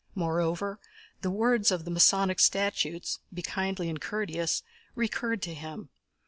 Moreover, the words of the Masonic statutes, "be kindly and courteous," recurred to him.